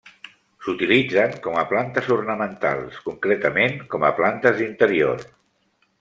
S'utilitzen com a plantes ornamentals, concretament com a plantes d'interior.